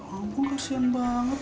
ampun nasi yang banget